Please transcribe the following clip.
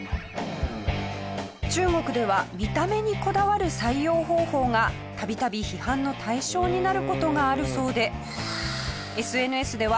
中国では見た目にこだわる採用方法が度々批判の対象になる事があるそうで。